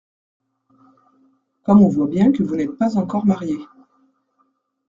Comme on voit bien que vous n’êtes pas encore mariés.